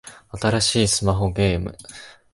新しいスマホゲーム